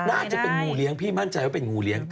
ไม่ใช่ในป่าในป่ามันคงกัดเลย